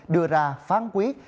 đưa ra phán quyết